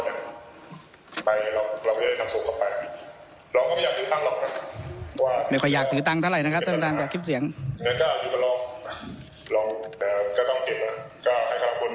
เฉพาะถามครอบครอบครอบเขาให้เรา๒๔๘บาทคูณ๓๐ละอีกวัน